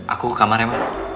aku ke kamar ya mah